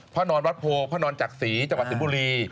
พาห์นอนวัดโพพาห์นอนจักษีจังหวัดสินบุรี